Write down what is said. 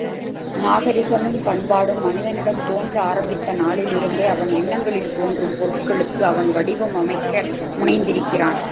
நாகரிகமும் பண்பாடும் மனிதனிடம் தோன்ற ஆரம்பித்த நாளிலிருந்தே அவன் எண்ணங்களில் தோன்றும் பொருட்களுக்கு அவன் வடிவம் அமைக்க முனைந்திருக்கிறான்.